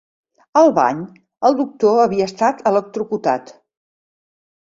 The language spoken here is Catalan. Al bany, el doctor havia estat electrocutat.